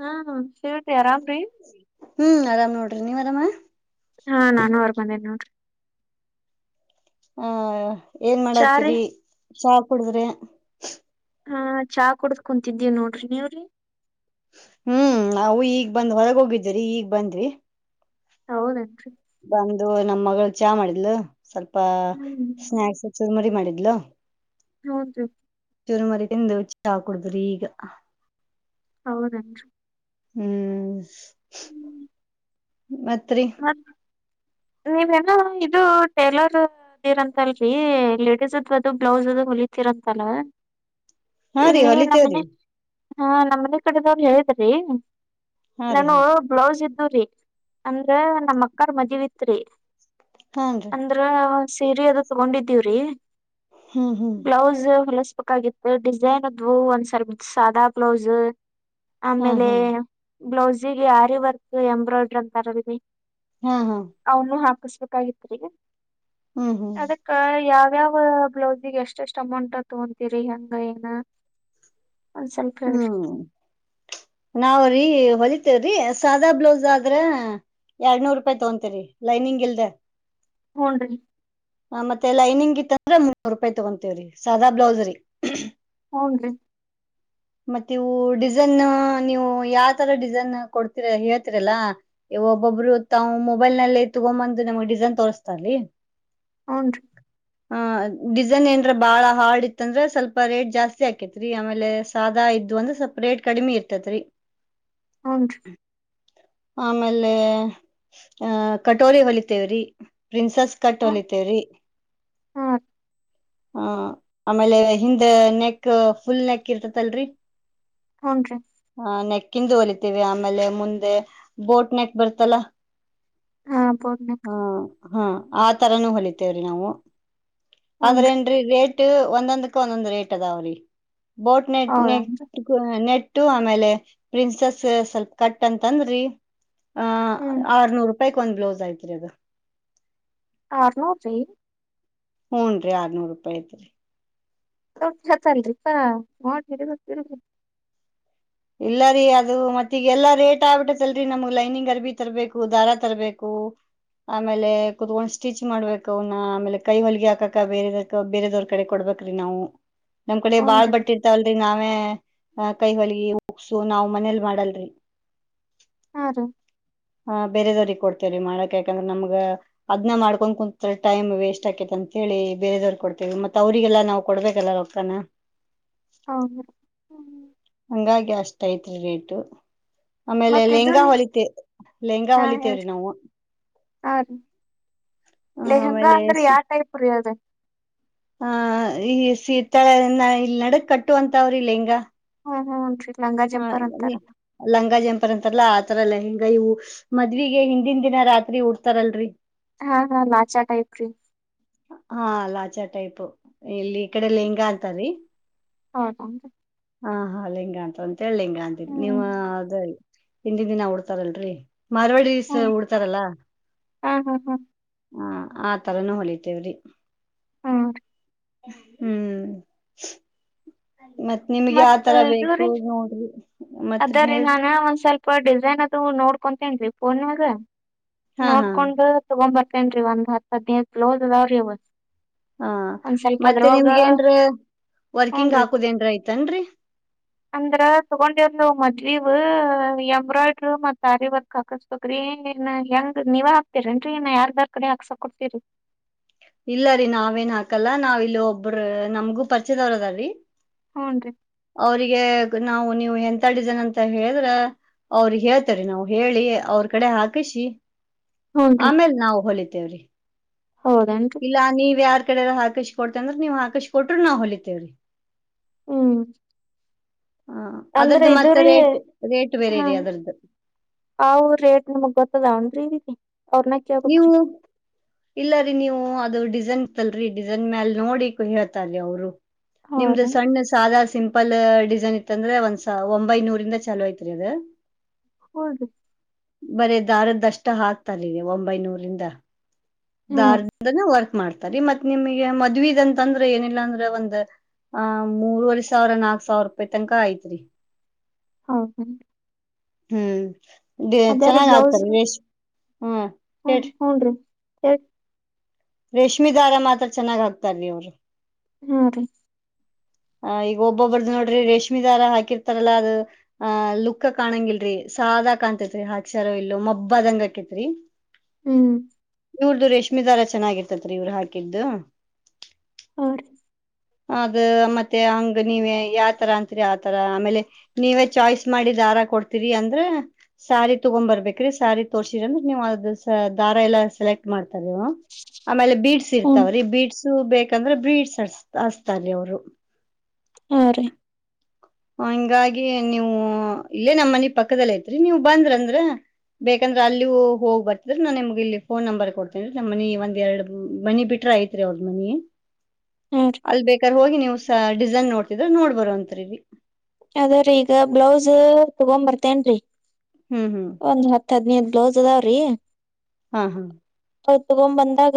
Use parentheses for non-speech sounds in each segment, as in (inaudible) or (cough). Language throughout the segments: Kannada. ಹ್ಮ ಸೇವ್ರಿ ಆರಾಮ್ರೀ. ಹ್ಮ್ ಆರಾಮ್ ನೋಡ್ರಿ ನೀವ್ ಆರಾಮ ಹಾ ನಾನು ಆರಾಮ ಅದೆನೇ ನೋಡ್ರಿ ಹ ಏನ್ ಚಾರಿ ಮಾಡತ್ತೀರಿ ಚಾ ಕುಡಿದ್ರಾ ಹಾ ಚಾ ಕುಡುದ್ ಕುಂತಿದ್ದೀ ನೋಡ್ರಿ ನೀವ್ರಿ ಹ್ಮ್ ನಾವು ಈಗ ಬಂದ್ ಹೊರಗ ಹೋಗಿದ್ದೀರಿ ಈಗ ಬಂದವಿ ಹೌದನ್ರಿ ಬಂದು ನಮ್ಮ್ ಮಗಳು ಚಾ ಮಾಡಿದ್ಲು ಸ್ವಲ್ಪ ಹ್ಮ್ ಸ್ನಾಯಕ್ಸ್ ಚುರ್ ಮುರಿ ಮಾಡಿದ್ಲು ಹೌದು ಚೂರು ಮರಿ ತಿಂದ ಚಾ ಕುಡದ್ರಿ ಈಗ ಹೌದನ್ರಿ ಹ್ಮ್ ಮತ್ತರಿ ಹಾಂ ನೀವೇನೋ ಇದು ಟೇಲರು ಏನಂತಲ್ರೀ ಲೇಡಿಸ್ದ ಅದು ಬ್ಲೌಸ್ ಅದು ಹೊಲಿತಿರಂತಲಾ. ಹಾ ರೀ ಇಲ್ಲಿ ಹೊಲಿತೇವ್ರಿ ನಮ್ಮನೆ ಹ ನಮ್ಮನೆ ಕಡೆದವ್ರು ಹೇಳಿದ್ರಿ. ಹಾ ರೀ ಹಾ ನನ್ನವು ಬ್ಲೌಸ್ ಇತ್ತು ರಿ ಅಂದ್ರೆ ನಮ್ ಅಕ್ಕಾರ್ ಮದ್ವಿತ್ರಿ. ಹ್ಞುನ್ರೀ. ಅಂದ್ರ ಸೀರಿ ಅದು ತಗೊಂಡಿದೀವ್ರಿ ಹ್ಮ್ ಹ್ಮ್ ಬ್ಲೌಸ್ ಹೊಲಸ್ಬೇಕಾಗಿತ್ ಡಿಸೈನ್ ಅದ್ವು ಒಂದ್ಸರಿದ್ ಸಾದಾ ಬ್ಲೌಸು ಹಾ ಆಮೇಲೆ ಹಾ ಬ್ಲೌಸಿಗೆ ಆರಿ ವರ್ಕು ಎಂಬ್ರಾಯ್ಡ್ರಿ ಅಂತಾರ (unintelligible) ಹು ಹು. ಅವ್ನು ಹಕುಸ್ಬೇಕಾಗಿತ್ರಿ. ಹೊ ಹು ಕ ಯಾವ್ ಯಾವಾ ಬ್ಲೌಸಿಗೆ ಎಷ್ಟೆಷ್ಟ್ ಅಮೌಂಟ್ ತಗೊಂತೀರಿ ಹೆಂಗ ಏನ? ಒಂದ್ ಸ್ವಲ್ಪ ಹೇಳ್ರಿ ಹುಂ ನಾವ್ ರಿ ಹೊಲಿತೇವ್ರಿ ಸಾದಾ ಬ್ಲೌಸ್ ಅದ್ರೆ ಎಲ್ಡ್ ನೂರ್ ರೂಪಾಯ್ ತಗೊಂತೀರಿ ಲೈನಿಂಗ್ ಇಲ್ದೆ. ಹುನ್ರೀ. ಹ ಮತ್ತೆ ಲೈನಿಂಗ್ ಇತ್ತ್ ಅಂದ್ರೆ ಮುನ್ನೂರು ರೂಪಾಯಿ ತಗೊಂತಿವ್ರಿ ಸಾದಾ ಬ್ಲೌಸ್ ರಿ. ಹೂನ್ರಿ. ಮತ್ತೆ ಇವು ಡಿಸೈನ್ನು ನೀವು ಯಾವ ತರ ಡಿಸೈನ್ ಕೊಡ್ತಿರ ಹೇಳ್ತೀರಲ್ಲಾ ಇ ಒಬ್ಬೊಬ್ರು ತಾವ್ ಮೊಬೈಲ್ನಲ್ಲೆ ತಗೊಂಬಂದು ನಮ್ಗ್ ಡಿಸೈನ್ ತೋರಿಸ್ತಾರಲ್ಲಿ ಹ್ನ್ ರೀ. (inaudible) ಹ ಡಿಸೈನ್ ಏನ್ರ ಬಾಳ ಹಾರ್ಡ್ ಇತ್ತ ಅಂದ್ರೆ ಸ್ವಲ್ಪ ರೇಟ್ ಜಾಸ್ತಿ ಆಕೇತ್ ರೀ ಆಮೇಲೆ ಸಾದಾ ಇದ್ದು ಅಂದ್ರ ಸ್ವಲ್ಪ್ ರೇಟ್ ಕಡಿಮಿ ಇರ್ತತ್ ರೀ. ಹ್ನ್ ರಿ. ಆಮೇಲೆ ಅ ಕಟೋರಿ ಹೊಲಿತೇವ್ರಿ. ಪ್ರಿನ್ಸಸ್ ಕಟ್ ಹ್ಮ್ ಹೊಲಿತೇವ್ರೀ ಹಾ ಹ. ಆಮೇಲೆ ಹಿಂದ ನೆಕ್ ಫುಲ್ ನೆಕ್ ಇರ್ತತಲ್ರಿ. ಹ್ಞನ್ ರೀ. ಹ ನೆಕ್ಕಿಂದು ಹೊಲಿತೀವಿ ಆಮೇಲೆ ಮುಂದೆ ಬೋಟ್ ನೆಕ್ ಬರ್ತಲ್ಲಾ ಹಾ ಬೋಟ್. ಹಾ ಹಾ ಆ ತರಾನೂ ಹೊಲಿತೇವ್ರಿ ನಾವು ಆದ್ರ ಹೂನ್ರಿ ಏನ್ರೀ ರೇಟ್ ಟೂ ಒಂದೊಂದಕ್ಕೂ ಒಂದೊಂದು ರೇಟ್ ಅದಾವ್ರಿ ಬೋಟ್ ನೆಟ್ ನೆ ಹೌದನ್ರಿ ನೆಟ್ಟು ಆಮೇಲೆ ಪ್ರಿನೆಸ್ಸು ಸ್ವಲ್ಪ ಕಟ್ ಅಂತ್ ಅಂದ್ರಿ ಆ ಹ್ಮ್ ಆರ್ನೂರೂಪಾಯಿಕ್ ಒಂದ್ ಬ್ಲೌಸ್ ಆಯ್ತ್ರಿ ಅದು. ಆರ್ನೂರ್ ರಿ. ಹುನ್ ರ್ರಿ ಆರ್ನೂರೂಪಾಯ್ ಅಯ್ತದೆ. (unintelligible) ಅಲ್ರಿಪಾ (unintelligible) ಇಲ್ಲ ರೀ ಅದು ಮತ್ತೀಗೆಲ್ಲಾ ರೇಟ್ ಆಗ್ಬಿಟ್ಟತ್ತಲ್ರರಿ ನಮ್ಗ್ ಲೈನಿಂಗ್ ಅರ್ಬಿ ತರ್ಬೇಕು ದಾರ ತರ್ಬೇಕು. ಆಮೇಲೆ ಕುತ್ಕೊಂಡ್ ಸ್ಟಿಚ್ ಮಾಡ್ಬೇಕು ಅವ್ನ ಆಮೇಲೆ ಕೈ ಹೊಲ್ಗೆ ಹಾಕಕ ಬೇರೆ. ಬೇರೆದೊವ್ರ ಕಡೆ ಕೊಡ್ಬೇಕ್ರಿ ನಾವು. ನಮ್ ಕಡೆ ಬಾಳ್ ಹೂನ್ರಿ ಬಟ್ಟಿರ್ತಲ್ರಿ ನಾವೇ ಅ ಕೈ ಹೊಲಿ ಉಗ್ಸು ನಾವ್ ಮನೇಲ್ ಮಾಡಲ್ರಿ. ಹಾ ರಿ. ಹ ಬೇರೆದವ್ರಿಗೆ ಕೊಡ್ತೇವ್ರರಿ ಮಾಡಕ್ ಯಾಕಂದ್ರೆ ನಮ್ಗ ಅದ್ನ ಮಾಡ್ಕೊಂಡ ಕುಂತ್ರ ಟೈಮ್ ವೇಸ್ಟ್ ಆಕೇತ್ ಅಂತ ಹೇಳಿ ಬೇರೆದಾವ್ರಿಗೆ ಕೊಡ್ತೇವಿ ಮತ್ತ್ ಅವ್ರರಿಗೆಲ್ಲ ನಾವು ಕೊಡ್ಬೇಕಲ್ಲ ರೊಕ್ಕಾನ. ಹೌದಾ ಹಂಗಾಗಿ ಅಷ್ಟ ಐತ್ರಿ ರೇಟು. ಆಮೇಲೆ ಮತ್ ಇದು ಲೆಂಗಾ ರೀ ಹೊಲಿತೇ ಲೆಂಗಾ ಹೊಲಿತೇವ್ರಿ ನಾವು. ಹಾರೀ ಆ ಲೆಹಂಗಾ ಆಮೇಲೆ ಅಂದ್ರೆ ಯಾವ ಟೈಪ್ ರೀ ಅದ. ಹ ಈ ಶೀತಳ (unintelligible) ನಡಕ್ ಕಟ್ಟು ಅಂತಾವ್ರಿ ಲೆಂಗಾ. ಹಾ ಹಾ (unintelligible) ಹಾ ನಿ ಲೆಹಂಗಾ, ಜಂಪರ್ ಅಂತಾರಲ್ಲಾ ಆತರ ಲೆಹೆಂಗ ಇವು. ಮದ್ವಿಗೆ ಹಿಂದಿನ ದಿನ ರಾತ್ರಿ ಉಡ್ತಾರಲ್ರಿ. ಹಾ ಹಾ (unintelligible) ಹಾ ಲಾಚ ಟೈಪು ಇಲ್ಲಿ ಈ ಕಡೆ ಲೆಹಂಗಾ ಅಂತಾರಿ. ಹೌದ್ ಅನ್ರಿ. ಹಾ ಹಾ ಲೆಹಂಗಾ ಅಂತ ಅಂತೇಳಿ ಲೆಹಂಗಾ ಅಂದಿದ್ ನಿವ ಹ್ಮ್ ಅದರಿ. ಹಿಂದಿನ ದಿನ ಉಡ್ತಾರಲ್ರಿ ಮಾರ್ವಳಿ ಪೀಸ ಹ್ಮ್ ಉಡ್ತಾರಲ್ಲ ಹಾ ಹಾ ಹಾ ಹ ಆತರನೂ ಹೊಲಿತೇವ್ರಿ. ಹಾರೀ ಹ್ಮು ಮತ್ತ್ ನಿಮ್ಗ ಮತ್ ಯಾವತರ ಇದು ಬೇಕು ರೀ ನೋಡ್ರಿ ಮತ್ತ್ ಹೇಳ್ರಿ. ಪ ಡಿಸೈನ್ ಅದು ನೋಡ್ಕೊತೇನ್ರಿ ಫೋನ್ ಒಳಗ್ ಹಾ ಹಾ ನೋಡ್ಕೊಂಡು ತೊಗಂಬರಿ ತ್ತೇನ್ರೀ ಒಂದು ಹತ್ತ್, ಹದನೈದು ಬ್ಲೌಸ್ ಅದಾವ್ರಿ ಅವ. ಹ ಮತ್ತೆ ನಿಮ್ಗೆ ಏನ್ರೇ ವರ್ಕಿಂಗ್ ಹೂನ್ರಿ ಹಾಕುದೇನ್ರ ಐತೆನ್ರಿ. ಅಂದ್ರ ತಗೊಂದೇವ್ರ್ ನಾವ್ ಮದ್ವಿವ ಎಂಬ್ರಾಯ್ಡ್ರ ಮತ್ತ್ ಆರ್ ಈ ವರ್ಕ್ ಹಾಕಸ್ ಹಾಕ್ಬೇಕ್ರಿ ಹೆಂಗ್ ಏನ್ ಹೆಂಗ್ ನೀವ ಹಾಕ್ತಿರೆನ್ರಿ ಏನ್ ಬೇರೆದಾವರ್ ಕಡೆ ಹಾಕ್ಸಾಕ್ ಕೊಡ್ತೀರಿ. ಇಲ್ಲ ರೀ ನಾವೇನ್ ಹಾಕಲ್ಲ ನಾವ್ ಇಲ್ಲಿ ಒಬ್ಬ್ರ ನಮಗೂ ಪರಿಚಯದಾವರ ಅದಾರಿ. ಹುನ್ರಿ ಅವ್ರಿಗೆ ಈಗ ನಾವು ನೀವು ಹೆಂತಾ ಡಿಸೈನ್ ಅಂತ ಹೇಳಿದ್ರ ಅವ್ರಿಗೆ ಹೇಳ್ತಿವ್ರಿ ನಾವ್ ಹೇಳಿ ಅವ್ರ ಕಡೆ ಹಾಕಸಿ ಹೂನ್ರಿ ಆಮೇಲ್ ನಾವ್ ಹೊಲಿತೇವ್ರಿ. ಹೌದನ್ನ್ ಇಲ್ಲ ನೀವ್ ಯಾರ್ ಕಡೆರ ಹಾಕಸಿ ಕೊಡ್ತನ್ ಅಂದ್ರ ನೀವ್ ಹಾಕಿಸಿ ಕೊಟ್ರು ನಾವ್ ಹೊಲಿತೇವ್ರೀ. ಹ್ಮು ಹ ಅದರ್ದ ಮತ್ತ್ ರೀ ರೇಟ್ ರೇಟ್ ಬೇರೆರಿ ಅದರ್ದ. ಅವ ರೇಟ್ ನಮಗ್ ಗೊತ್ತ್ ಅದಾವೇನ್ರಿ (unintelligible) ನೀ ಹೋಗ್. ಇಲ್ಲ ರೀ ನೀವು ಅದು ಡಿಸೈನ್ ಇತ್ತಲ್ರಿ ಡಿಸೈನ್ ಮ್ಯಾಲ ನೋಡಿ ಹೇಳ್ತಾರಿ ಅವ್ರು. ನಿಮ್ದು ಹೌದನ್ ಸಣ್ಣ ಸಾದಾ ಸಿಂ ಪಲ್ ಡಿಸೈನ್ ಇತ್ತ ಅಂದ್ರೆ ಒಂದ್ಸ ಒಂಬೈನೂರಿಂದ ಚಾಲೋ ಐತ್ರಿ ಅದ. ಹೌದಾ ಬರೇ ದಾರದಷ್ಟ ಹಾಕ್ತರಿ ಒಂಬೈನೂರಿಂದ. ಹಾ ದಾರದಿಂದನ ವರ್ಕ್ ಮಾಡ್ತಾರಿ ಮತ್ತ್ ನಿಮಗೆ ಮದ್ವಿದ ಅಂತ ಅಂದ್ರ ಏನಿಲ್ಲ ಅಂದ್ರ ಒಂದ ಆ ಮೂರರುವರೆ ಸಾವಿರ, ನಾಕ ಸಾವಿರ ರೂಪಾಯಿ ತನಕ ಐತ್ರಿ. ಹೌದೇನ್ ಹ್ಮು ಅದೇ ಚೆನ್ನಾಗ್ ಹಾಕ್ತಾರೆ (unintelligible) ಅ. ಹು ಹೂನ್ರಿ ಹೇಳ್ರಿ. ರೇಷ್ಮಿ ದಾರ ಮಾತ್ರ ಚೆನ್ನಾಗ ಹಾಕ್ತಾರೀ ಅವ್ರ. ಹ್ಮ ರೀ. ಆ ಈಗ ಒಬ್ಬೊಬ್ಬರ್ದ ನೋಡ್ರಿ ರೇಷ್ಮೆ ದಾರ ಹಾಕಿರ್ತಾರಲ್ಲಾ ಅದ ಆ ಲುಕ್ ಕಾಣಂಗಿಲ್ರರಿ ಸಾದ ಕಾಣಂತೇತ್ರಿ ಹಾಕ್ಷರ ಇಲ್ಲ ಮಬ್ಬದಂಗಕೇತ್ರಿ. (inaudible) ಹ್ಮ. ಇವ್ರ್ದು ರೇಷ್ಮ ದಾರ ಚೆನ್ನಾಗಿರ್ತತ್ರಿ ಇವ್ರ ಹಾಕಿದ್ದು. ಹಾರಿ. ಅದ ಮತ್ತೆ ಹಂಗ ನೀವ ಯಾತರ ಅತ್ರಿ ಆತರ ಆಮೇಲೆ ನೀವೇ ಚಾಯ್ಸ್ ಮಾಡಿ ದಾರ ಕೊಡ್ತೀರಿ ಅಂದ್ರ ಸಾರಿ ತುಗೊಂದ ಬರ್ಬೇಕ್ರೀ ಸಾರಿ ತೋರ್ಸಿರ ಅಂದ್ರ ನೀವ ಅದ ದಾರ ಎಲ್ಲಾ ಸೆಲೆಕ್ಟ್ ಮಾಡ್ತಾರ ಅವ. ಆಮೇಲ ಬೀಡ್ಸ್ ಹ್ಮ್ ಇರ್ತಾವ್ರಿ ಬೀಡ್ಸ ಬೇಕಂದ್ರ ಬೀಡ್ಸ್ ಹಚ್ಚತಾರಿ ಅವ್ರು. ಹಾರೀ. ಹಂಗಾಗಿ ನೀವು ಇಲ್ಲೇ ನಮ್ಮ ಮನಿ ಪಕ್ಕದಲ್ಲ ಐತ್ರಿ ನೀವ ಬಂದ್ರಂದ್ರ ಬೇಕಂದ್ರ ಅಲ್ಲೂ ಹೋಗ್ ಬರ್ತಿದ್ರ ನಾ ನಿಮ್ಗ ಇಲ್ಲಿ ಫೋನ್ ನಂಬರ್ ಕೊಡ್ತೇನೀ ನಮ್ಮ ಮನಿ ಒಂದ ಎರಡ ಮನಿ ಬಿಟ್ರ ಐಯ್ತ. ಐತ್ರಿ ಅವ್ರ ಮನಿ ಹಾ ರೀ ಅಲ್ ಬೇಕಾರ ಹೋಗಿ ನೀವ ಸ ಡಿಸೈನ್ ನೋಡ್ತಿದ್ರ ನೋಡ್ಬರ ಅಂತ್ರರಿ. ಆದರಿ ಈಗ ಬ್ಲೌಸ್ ತುಗೊಂದ ಬರ್ತೇನ್ರೀ. ಹ್ಮ ಹ್ಮ. ಒಂದ್ ಹತ್ತ ಹದ್ನೈದ ಬ್ಲೌಸ್ ಅದಾವ್ರೀ. ಹಾ ಹಾ ಅವ ತುಗೊಂದ ಬಂದಾಗ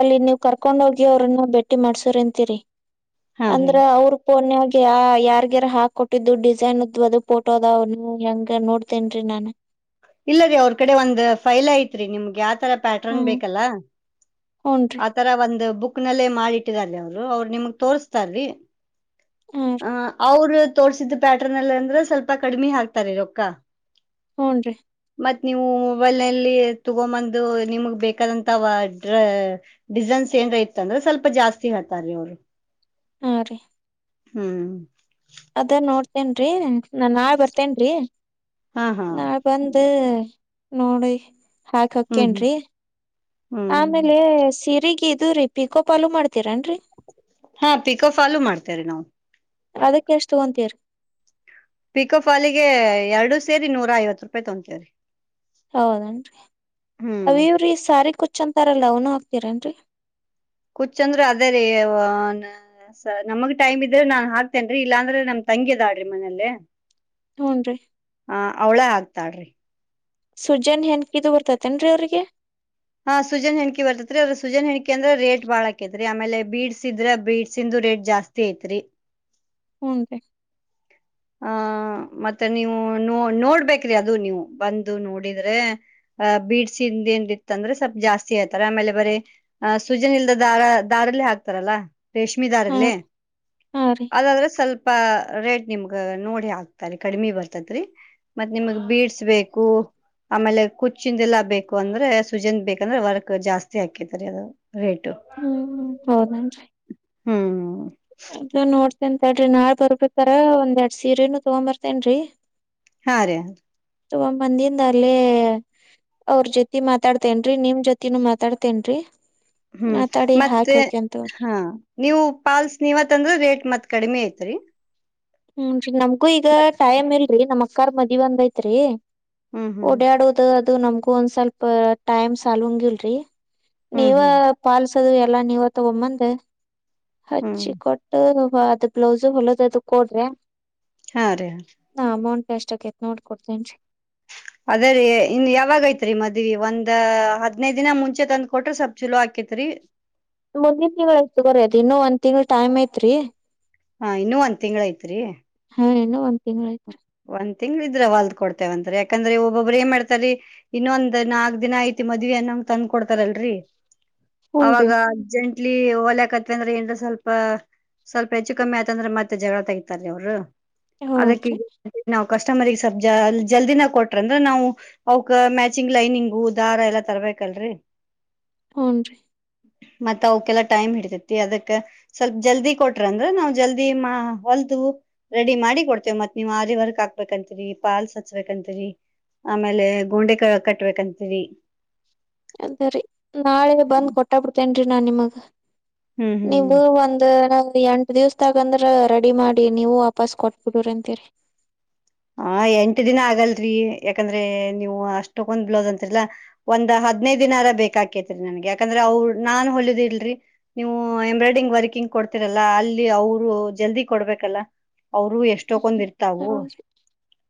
ಅಲ್ಲಿ ನೀವ್ ಕರ್ಕೊಂಡ ಹೋಗಿ ಅವ್ರನ್ನ ಭೇಟ್ಟಿ ಮಾಡ್ಸ ಅಂತೀರಿ. ಹಾ ರೀ ಅಂದ್ರ ಅವ್ರ ಫೋನ್ ನ್ಯಾಗ ಯಾ ಯಾರ್ಗ್ಯಾರ ಹಾಕ್ಕ ಕೊಟ್ಟಿದ್ದು ಡಿಸೈನ್ದ್ದುಪೋಟೋ ಅದ ಅವನ ಹೆಂಗ ನೋಡ್ತೇನ್ರೀ ನಾನ್. ಇಲ್ಲರೀ ಅವ್ರ ಕಡೆ ಒಂದ್ ಫೈಲ್ ಐತ್ರಿ ನಿಮ್ಗ ಯಾತರ ಪ್ಯಾಟರ್ನ್ ಹ್ಮ್ ಬೇಕಲ್ಲ ಹೂನ್ರಿ ಆ ತರ ಒಂದ ಬುಕ್ ನಲ್ಲೇ ಮಾಡಿಟ್ಟಿದಾರ ಅವ್ರ ಅವ್ರ ನಿಮಗ್ ತೋರ್ಸ್ತಾರೀ. ಹಾ ಹ ಅವರ ತೋರ್ಸಿದ ಪ್ಯಾಟರ್ನ್ ಅಲ್ಲಿ ಅಂದ್ರ ಸ್ವಲ್ಪ ಕಡಿಮಿ ಹಾಕ್ತಾರ ರೊಕ್ಕಾ. ಹ್ಮುನ್ರಿ. ಮತ್ ನೀವು ಮೊಬೈಲ್ ನಲ್ಲಿ ತಗೊಬಂದು ನಿಮಗ್ ಬೇಕಾದಂತವ ಡ್ರ ಡಿಸೈನ್ಸ್ ಏನ್ರ ಇತ್ತ ಅಂದ್ರ ಸ್ವಲ್ಪ ಜಾಸ್ತಿ ಹೇಳ್ತಾರೀ ಅವ್ರ ಹಾ ರೀ. ಹ್ಮ. ಅದ ನೋಡ್ತೇನ್ರೀ ನಾ ನಾಳಿ ಬರ್ತೇನ್ರೀ. ಹಾ ಹಾ ನಾಳಿ ಬಂದ ನೋಡಿ ಹಾಕ್ ಹ್ಮ್ ಹ್ಮ್ ಹೋಕೆನ್ರಿ. ಹ್ಮ್ ಆಮೇಲ ಸಿರೀಗ ಇದುರಿ ಪಿಕೋಪಾಲು ಮಾಡ್ತೀರನ್ರೀ. ಹಾ ಪಿಕೋ ಪಾಲು ಮಾಡ್ತೇವ್ರಿ ನಾವ ಅದಕ್ಕ ಎಷ್ಟ ತಗೊಂತೀರಿ. ಪಿಕೋಫಾಲಿಗೆ ಎರಡು ಸೇರಿ ನೂರ ಐವತ್ತಪಾಯಿ ತುಗೋತಿವರಿ. ಹೌದೇನ್ರಿ ಹ್ಮ್ ಅವ ಇವ್ರೀ ಸಾರಿ ಕುಚ್ಚಂತಾರಲ್ಲ ಅವನು ಹಾಕ್ತೀರನ್ರಿ. ಕುಚ್ಚಂದ್ರ ಅದೇ ರೀ ಇವನ ಸ ನಮಗ ಟೈಮ್ ಇದ್ರ ನಾ ಹಾಕ್ತೇನ್ರೀ ಇಲ್ಲಾಂದ್ರ ನಮ ತಂಗಿ ಅದಾಳ್ರಿ ಮನೇಲಿ ಹ್ಮುನ್ರಿ. ಆ ಅವ್ಳೇ ಆಕ್ತಾಳ್ರಿ. ಸುಜನ್ ಹೆನ್ಕಿದು ಬರ್ತತೆೇನ್ರೀ ಅವ್ರಿಗ ಹಾ ಸುಜನ್ ಹೆಂಕಿ ಬರ್ತತ್ರಿ ಅ ಸುಜನ್ ಹೆಣಕ ಅಂದ್ರೆ ರೇಟ್ ಬಾಳಕೇತ್ರಿ ಆಮೇಲೆ ಬೀಡ್ಸ್ ಇದ್ರ ಬಿಡ್ಸ್ ಇಂದು ರೇಟ್ ಜಾಸ್ತಿ ತೇತ್ರಿ ಹ್ಞ (unintelligible) ರ ಹ ಮತ್ತೆ ನೀವು ನೋ ನೋಡ್ಬೇಕ್ರಿ ಅದು ನೀವು ಬಂದು ನೋಡಿದ್ರೆ. ಅ ಬೀಡ್ಸಿಂದ ಏನತ್ತ ಅಂದ್ರೆ ಸ್ವಲ್ಪ ಜಾಸ್ತಿ ಆಯ್ತಾರೆ ಆಮೇಲೆ ಬರೀ ಆ ಸುಜನಲ್ದ ದಾರ ದಾರಲ್ಲ ಹಾಕ್ತಾರಲ್ಲಾ. ರೇಷ್ಮೆ ಹಾ ದಾರಲ್ಲಿ ಹಾ ರೀ ಅದಾದ್ರೆ ಸ್ವಲ್ಪ, ರೇಟ್ ನಿಮ್ಗ ನೋಡಿ ಹಾಕ್ತ ರ ಕಡಿಮಿ ಬರ್ತತ್ ಮತ್ತ್ ನಿಮಗ್ ಬೀಡ್ಸ್ ಬೇಕು ಆಮೇಲೆ ಕುಚ್ಚಿಂದೆಲ್ಲ ಬೇಕು ಅಂದ್ರೆ ಸುಜನ್ ಬೇಕಂದ್ರೆ ವರ್ಕ್ ಜಾಸ್ತಿ ಹಾಕಿತರಿ ಅದು ರೇಟು ಹ್ಮ್ ಹೌದೇನ್ರಿ ಹ್ಂ ಅ ನೋಡ್ತೆನ್ ಅಂತ ಹೇಳ್ರಿ ನಾಳ ಬರ್ಬತಾರ ಒಂದ್ ಎರಡ್ ಸೀರೆನೂ ತಗೊ ಬರ್ತೇನ್ರೀ. ಹಾಂ ರೀ ರ ತುಂಗೋಂದು ಬಂದಿಯಿಂದ ಅಲ್ಲಿ ಅವ್ರ ಜೊತಿ ಮಾತಾಡ್ತೇನ್ರೀ ನಿಮ್ ಜೊತಿನೂ ಮಾತಾಡ್ತೇನ್ರೀ. ಹ್ಮ್ ಮತ್ತೆ ಹಾ ನೀವು ಪಾಲ್ಸ್ ನೀವತ್ ಅಂದ್ರ ರೇಟ್ ಮತ್ ಕಡಿಮೆ ಐತ್ರಿ. ಹ್ಮೀ ನಮ್ಗೂ ಈಗ ಮತ್ ಟೈಮ್ ಇಲ್ರಿ ನಮ್ ಅಕ್ಕಾರ್ ಮದ್ ಅಂದೈತ್ರಿ ಹ್ಮ್ ಹ್ಮ್ ಓಡಾಡದು ಅದು ನಮ್ಗು ಒಂದ್ ಸ್ವಲ್ಪ ಟೈಮ್ ಸಾಲಂಗಿಲ್ರಿ. ಹ್ಮ್ ನೀವ ಹ್ಮ್ ಪಲ್ಸದು ಎಲ್ಲಾ ನೀವ ತಗೊಂಬಂದ. ಹ್ಮ್ ಹಚ್ಚಿ ಕೊಟ್ಟು ಅದು ಬ್ಲೌಸು ಹೊಲದ ಅದು ಕೊಡ್ರಿ. ಹಾ- ರೀ -ಹಾ -ರ ಅ ಅಮೌಂಟ್ ಎಷ್ಟು ಆತ್ ನೋಡ್ ಕೊಡ್ತೇನ್ರಿ. ಅದೇ ರೀ ಇನ್ ಯಾವಾಗ ಐತ್ರಿ ಮದ್ವಿ ಒಂದ್ ಹದ್ನೈದ್ ದಿನ ಮುಂಚೆ ತಂದ್ ಕೊಟ್ರೆ ಸ್ವಲ್ಪ್ ಚಲೋ ಹಾಕೇತ್ರಿ. ಮುಂದಿನ ತಿಂಗಳ ಐತಗೋರರಿ ಅದು ಇನ್ನುದ ತಿಂಗಳ ಟಮ್ ಐತ್ ರರಿ ಹಾ ಇನ್ನುೂ ಒಂದ್ ತಿಂಗಳ ಐತ್ರಿ. ಹಾ ಇನ್ನೂಂದ ತಿಂಗ್ಗಳಾಯ್ತ ಒಂದ್ ತಿಂಗ್ ಇದ್ರ ವಾಲ್ದ ಕೊಡವಂತಾರೆ ಯಾಕಂದ್ರೆ ಒಬ್ಬೊಬ್ಬ ಏನ್ ಮಾಡ್ತರಿ. ಇನ್ನೊಂದ್ ನಾಲ್ಕ್ ದಿನ ಐತಿ ಮದ್ವೆ ಅನ್ನೊಂಗ್ ತಂದ್ ಕೊಡ್ತಾರಲ್ರರಿ. ಹೂನ್ರಿ ಅವಾಗ ಅರ್ಜೆಂಟ್ಲಿ ಓಲ್ಕತ್ವ ಅಂದ್ರೆ ಏನ್ ಸ್ವಲ್ಪ ಸ್ವಲ್ಪ ಹೆಚ್ಚು ಕಮ್ಮಿ ಆತಂದೆ ಮತ್ತೆ ಜಗಳ ತಗತಾರೀ ಅವ್ರು. ಅದಕ್ಕ ಹೌದ್ರಿ ಈಗ ನಾವು (unintelligible) ಕಸ್ಟಮರ್ಗ ಸ ಜ ಜಲ್ದಿನಾಗ ಕೊಟ್ರಂದ್ರ ನಾವು, ಅವಕ ಮ್ಯಾಚಿಂಗ್ ಲೈನಿಂಗ್ ಉ ದಾರ ಎಲ್ಲಾ ತರಬೇಕಲ್ರರಿ. ಹ್ನ್ ರರಿ ಮತ್ತತ್ ಅವಕಲ್ಲಾ ಟೈಮ್ ಹಿಡತೈತಿ ಅದಕ್ಕ, ಸ್ವಲ್ಪ ಜಲ್ದಿ ಕೊಟ್ರ ಅಂದ್ರ ನಾವ್ ಜಲ್ದಿ ಮಾ ಹೊಲ್ದು ರೆಡಿ ಮಾಡಿ ಕೊಡ್ತ. ಮತ್ತ ಮತ್ ನೀವ್ ಆರಿ ವರ್ಕ್ ಹಕ್ಬೇಕತ್ರಿ ಪಾಲ್ ಸಚ್ಬೇಕಂತತ್ರಿ. ಆಮೇಲೆ ಗೋಂಡೆ ಕ ಕಟ್ಬೇಕಂತೀರಿ. ಅದ ರರಿ ನಾಳೆ ಬಂದ್ ಕೊಟ್ಟ ಬಿಡ್ತೇನ್ ನಾನ್ ನಿಮಗ್ ಹ್ಮ್ ಹ್ಮ್ ನೀವು ಒಂದು ನಾವು ಎಂಟ ದಿವ್ಸದಕಂದ್ರ ರೆಡಿ ಮಾಡಿ ನೀವು ವಾಪಾಸ್ ಕೊಟ್ಬಿಡ್ರರಿ ಅಂತೀರಿ. ಹ ಎಂಟ ದಿನ ಆಗಲ್ರಿ ಯಾಕಂದ್ರೆ ನೀವು ಅಷ್ಟಕ್ಕ ಒಂದ್ ಬ್ಲೌಸ್ ಅಂತರಿಲ್ಲಾ. ಒಂದ್ ಹದ್ನೈದ ದಿನರ ಬೇಕಾಕೇತ್ರಿ ನನ್ಗೆ ಯಾಕಂದ್ರ ಅವ ನಾನ್ ಹೊಲಿದಿಲ್ರಿ. ನೀವು ಎಂಬ್ರಾಯ್ಡಿಂಗ್ ವರ್ಕಿಂಗ್ ಕೊಡ್ತಿರಲ್ಲ ಅಲ್ಲಿ ಅವರು ಜಲ್ದಿ ಕೊಡ್ಬೇಕಲ್ಲ. ಅವರು ಎಷ್ಟಕೊಂಡ್ತರ್ತಾವು ಹೌದ್ರಿ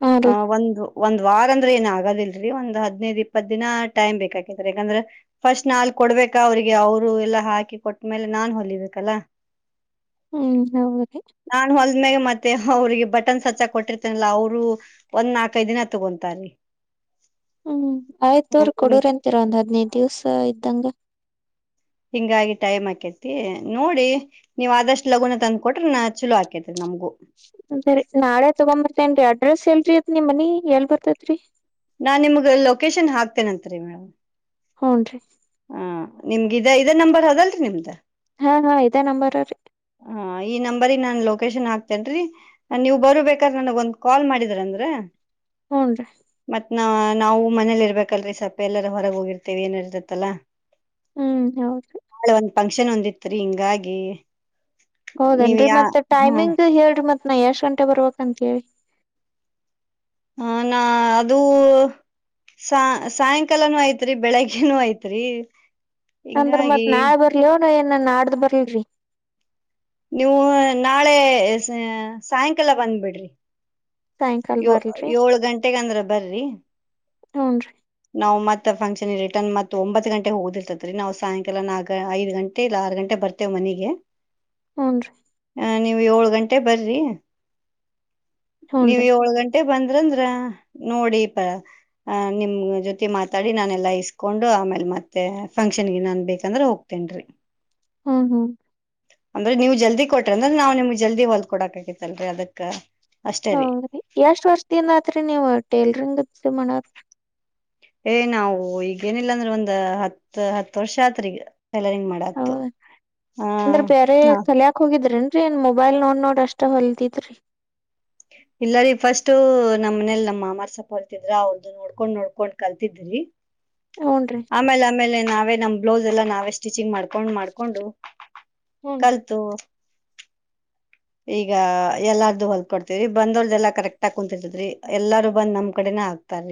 ಹಾ ಹ ರೀ ಒಂದು ಒಂದ್ ವಾರ ಅಂದ್ರೆ ಏನ್ ಆಗದಿಲ್ರಿ ಒಂದ ಹದಿನೈದು ಇಪ್ಪತ್ ದಿನ ಟೈಮ್ ಬೇಕಾಕತ್ರಿ ಯಾಕಂದ್ರೆ. ಫಸ್ಟ್ ನಾಲ್ ಕೊಡ್ಬೇಕಾ ಅವ್ರಿಗೆ ಅವರು ಎಲ್ಲಾ ಹಾಕಿ ಕೊಟ್ಟ್ಮೇಲೆ ನಾನ್ ಹೊಲಿಬೇಕಲ್ಲ. (unintelligible) ಹ್ಮ್ ಹೌದೇ ನಾನ್ ಹೊಲ್ದ್ಮ್ಯಾಗ ಮತ್ತೆ ಅವ್ರಿಗೆ ಬಟನ್ಸ್ ಹಚ್ಚಕ್ ಕೊಟ್ಟಿರ್ತಿ. ಅವರು ಒಂದ್ ನಾಲ್ಕೈದು ದಿನ ತಗೊಂತಾರೆ. ಹ್ಮ್ ಆಯ್ತ್ ತೋರಿ ಹ್ಮ್ ಕೊಡೋರ್ ಅಂತಿರ ಒಂದ್ ಹದಿನೈದ ದಿವ್ಸ ಇದ್ದಂಗ. ಹಿಂಗಾಗಿ ಟೈಮ್ ಹಾಕೇತಿ ನೋಡಿ. ನೀವ್ ಆದಷ್ಟು ಲಗುನ ತಂದ ಕೊಟ್ರ ನ್ ಚಲೋ ಹಾಕೇತಿರಿ ನಮಗು. ರಿ ನಾಳೆ ತಗೊಂಬರ್ತೇನ್ ಅಡ್ರೆಸ್ ಎಲ್ರಿ ಅತ್ ನಿ ಮನಿ ಎಲ್ ಬರ್ತತ್ರಿ. ನಾನ್ ನಿಮ್ಗ ಲೊಕೇಶನ್ ಹಾಕ್ತೇತನೇರಿ ಮೇಡಮ್. ಹ್ಮ್ ರಿ. ಹ ನಿಮ್ಗ ಇದ ನಂಬರ್ ಅದಲ್ರರಿ ನಿಮ್ದ. ಹಾ ಹಾ ಇದೇ ನಂಬರ್ ರೀ. ಹ ಈ ನಂಬರಿಗೆ ನಾನ್ ಲೊಕೇಶನ್ ಹಾಕ್ತೆನ್ರಿ. ನೀವು ಬರು ಬೇಕಾದ್ರೆ ನನಗ ಒಂದ್ ಕಾಲ್ ಮಾಡಿದ್ರ ಅಂದ್ರ. ಹ್ಮ್ ರೀ. ಮತ್ ನ ನಾವು ಮನೇಲಿ ಇರ್ಬೇಕಲ್ರೀ ಸ್ವಲ್ಪ ಎಲ್ಲಾರ ಹೊರಗೆ ಹೋಗಿರ್ತೇವಿ ಏನ ಇರ್ತತ್ತಲ್ಲಾ. ಹ್ಮ್ ಹೌದ್ರರಿ. ನಾಳೆ ಒಂದ್ ಫಂಕ್ಷನ್ ಒಂದಿತ್ರಿ ಹಿಂಗಾಗಿ. ನೀವ್ ಹೌದೇನ್ರರಿ ಯಾ ಮತ್ತ ಹಾ ಟೈಮಿಂಗ್ ಹೇಳ್ರರಿ ಮತ್ ನಾ ಎಷ್ಟ್ ಗಂಟೆ ಬರ್ಬೇಕ ಅಂತ ಹೇಳಿ. ಹ ನಾ ಅದುೂ. ಸ ಸಾಯಂಕಾಲನೂ ಐತ್ರಿ ಬೆಳಿಗ್ಗನೂ ಐತ್ರಿ. ಅಂದ್ರ ಮತ್ ಹಿಂಗಾಗಿ ನಾಳ ಬರ್ಲಿವ ಏನ ನಾಡ್ದ ಬರ್ಲ್ರರಿ. ನೀವು ನಾಳೆ ಸಾಯಂಕಾಲ ಬಂದ್ಬಿಡ್ರಿ. ಸಾಯಂಕಾಲ ಯ ಬರ್ಲ್ರಿ ಏಳ್ ಗಂಟೆಗ ಅಂದ್ರ ಬರ್ರಿ. ಹ್ಮ್ ರಿ. ನಾವ್ ಮತ್ತ ಫಂಕ್ಷನ್ ರಿಟರ್ನ್ ಮತ್ತ ಒಂಬತ್ ಗಂಟೆ ಹೋಗದಿರ್ತೇತ್ರಿ ನಾವ್ ಸಾಯಂಕಾಲ ನಾಲ್ಕ್ ಐದ ಗಂಟೆ ಇಲ್ಲ ಆರ್ ಗಂಟೆ ಬರ್ತವಿ. ಮ ಮನಗೆ. ಹ್ಞನ್ ರೀ ಹ ನೀವ್ ಏಳ್ ಗಂಟೆ ಬರ್ರಿ ನೀವ್ ಹೂನ್ರಿ ಏಳ್ ಗಂಟೆ. ಮೆ ಬಂದ್ರಂದ್ರ ನೋಡಿ ಪ ನಿಮ. ಜೊತೆ ಮಾತಾಡಿ ನಾನೆಲ್ಲ ಇಸ್ಕೊಂಡು ಆಮೇಲೆ ಮತ್ತೆ ಫಂಕ್ಷನ್ಗೆ ನಾನು ಬೇಕಂದ್ರೆ ಹೋಗ್ತೇನ ರೀ. ಹ್ಮ್ ಹ್ಮ್. ಅಂದ್ರೆ ನೀವವು ಜಲ್ದಿ ಕೊಟ್ರಿ ಅಂದ್ರೆ ನಾವ್ ನಿಮ್ಗ್ ಜಲ್ದಿ ಹೊಲ್ಕ ಕೊಡಕ್ ಆಗತ್ತಲ್ರರಿ ಅದಕ್ ಅಷ್ಟೇ ರೀ. ಹೌದ್ರಿ ಎಷ್ಟ್ ವರ್ಷದಿಂದ ಆತರಿ ನೀವು ಟೇಲರಿಂಗ್ ಮಾಡಕತ್. ಏ ನಾವು ಈಗ ಏನಿಲ್ಲ ಅಂದ್ರೆ ಒಂದ್ ಹತ್ ಹತ್ತು ವರ್ಷ ಆತ್ರಿ ಈಗ ಟೈಲರಿಂಗ್ ಮಾಡ. ಎ ಹೌದ ಹಾ ಹಾ. ಹೋಗಿದ್ರಿನ್ರಿ ಏನ್ ಮೊಬೈಲ್ ನೋಡ್ ನೋಡ್ ಅಷ್ಟ ಹೊಲ್ದಿದ್ರಿ. ಇಲ್ಲ ರೀ ಫಸ್ಟ್ ನಮ್ಮ ಮನೇಲಿ ನಮ್ಮ ಮಾಮರ ಸ್ವಲ್ಪ್ ಹೊಲ್ತಿದ್ರ ಅವ್ರದ್ದು. ನೋಡ್ಕೊಂಡ್ ನೋಡ್ಕೊಂಡ್ ಕಲ್ತಿದ್ರಿ ಹೂನ್ರಿ ಆಮೇಲೆ ಆಮೇಲೆ ನಾವೇ ನಮ್ ಬ್ಲೌಸ್ ಎಲ್ಲ ನಾವೆಷ್ಟ. ಸ್ಟಿಚಿಂಗ್ ಮಾಡ್ಕೊಂಡ್ ಮಾಡ್ಕೊಂಡು ಹೂನ್ರಿ ಕಲ್ತು. ಈಗ ಎಲ್ಲಾರ್ದು ಹೊಲ್ಕ ಕೊಡ್ತೇವರಿ ಬಂದವರದ್ ಎಲ್ಲಾ ಕರೆಕ್ಟ್ ಆಗಿ ಕುೂಂತರ್ತದ್ರಿ ಎಲ್ಲಾರೂ ಬಂದ್ ನಮ್ ಕಡೆನ ಹಾಕತಾರಿ.